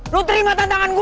lo terima tantangan gue